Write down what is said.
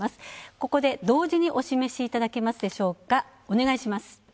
ここで同時にお示しいただけますでしょうか。